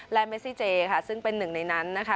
และเมซิเจค่ะซึ่งเป็นหนึ่งในนั้นนะคะ